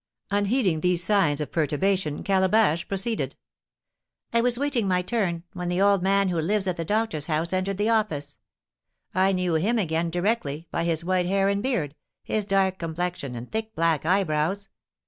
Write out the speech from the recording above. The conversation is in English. Unheeding these signs of perturbation, Calabash proceeded: "I was waiting my turn, when the old man who lives at the doctor's house entered the office. I knew him again directly, by his white hair and beard, his dark complexion, and thick black eyebrows.